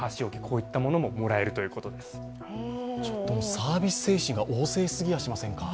サービス精神が旺盛すぎやしませんか。